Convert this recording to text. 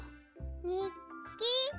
にっき？